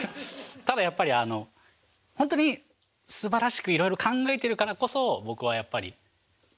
ただやっぱりあのほんとにすばらしくいろいろ考えているからこそ僕はやっぱり。